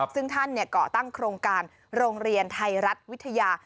ซึ่งท่านก่อตั้งโครงการโรงเรียนไทยรัฐวิทยา